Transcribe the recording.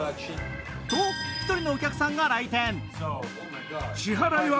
と、１人のお客さんが来店。